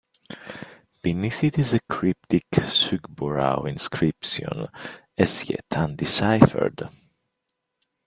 Beneath it is the cryptic Shugborough inscription, as yet undeciphered.